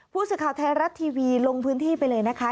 ผู้สื่อข่าวไทยรัฐทีวีลงพื้นที่ไปเลยนะคะ